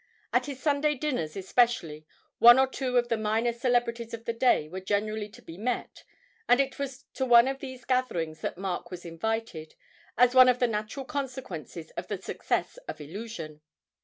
At his Sunday dinners especially, one or two of the minor celebrities of the day were generally to be met, and it was to one of these gatherings that Mark was invited, as one of the natural consequences of the success of 'Illusion.'